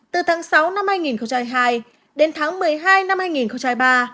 từ tháng sáu năm hai nghìn hai đến tháng một mươi hai năm hai nghìn ba